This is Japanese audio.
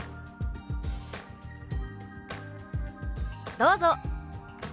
どうぞ！